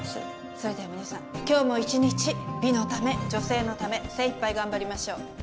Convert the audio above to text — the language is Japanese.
それでは皆さん今日も１日美のため女性のため精いっぱい頑張りましょう。